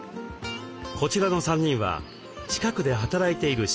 こちらの３人は近くで働いている仕事仲間。